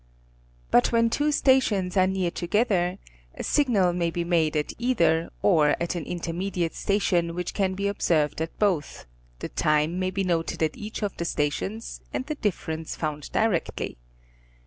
But when two stations are near together a signal may be made at either or at an intermediate station, which can be observed at both, the time may be noted at each of the stations and the difference found directly.